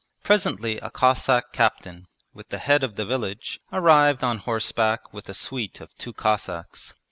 Presently a Cossack captain, with the head of the village, arrived on horseback with a suite of two Cossacks.